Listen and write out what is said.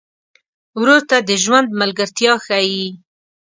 ورور ته د ژوند ملګرتیا ښيي.